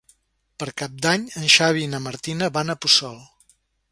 Per Cap d'Any en Xavi i na Martina van a Puçol.